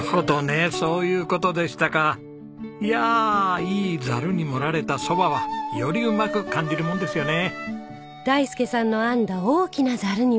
いやいいざるに盛られたそばはよりうまく感じるもんですよね。